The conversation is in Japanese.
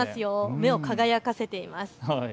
目を輝かせています。